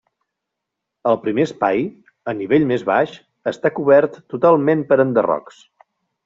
El primer espai, a nivell més baix, està cobert totalment per enderrocs.